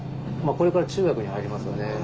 これから中学に入りますよね。